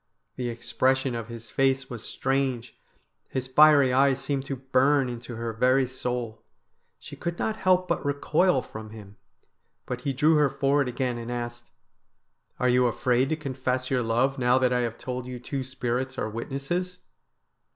The expression of his face was strange, his fiery eyes seemed to burn into her very soul. She could not help but recoil from him, but he drew her forward again and asked :' Are you afraid to confess your love now that I have told you two spirits are witnesses